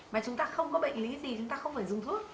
mà chúng ta không có bệnh lý gì chúng ta không phải dùng thuốc